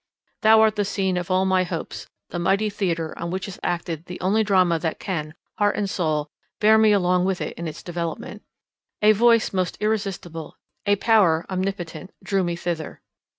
thou art the scene of all my hopes, the mighty theatre on which is acted the only drama that can, heart and soul, bear me along with it in its development. A voice most irresistible, a power omnipotent, drew me thither.